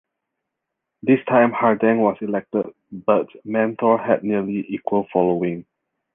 This time Hardang was elected, but Manthor had nearly equal following.